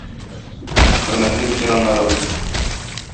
Хөрмәтле ветераннарыбыз!